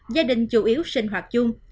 gia đình chủ yếu sinh hoạt chung